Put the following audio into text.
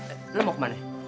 eh lo mau kemana